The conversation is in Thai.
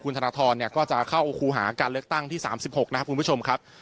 คุณธนทรเนี่ยก็จะเข้าโอคูหาการเลือกตั้งที่สามสิบหกนะครับคุณผู้ชมครับ